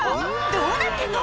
どうなってんの？